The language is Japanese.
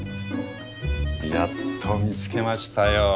やっと見つけましたよ。